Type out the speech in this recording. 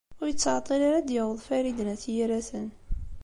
Ur yettɛeṭṭil ara ad d-yaweḍ Farid n At Yiraten.